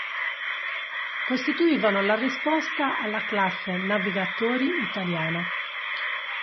Costituivano la risposta alla classe "Navigatori" italiana.